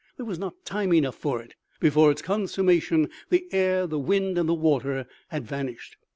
There was not time enough for it ; before its consummation, the air, the wind and the water had vanished.